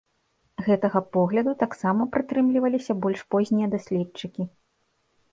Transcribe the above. Гэтага погляду таксама прытрымліваліся больш познія даследчыкі.